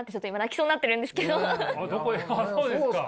そうですか？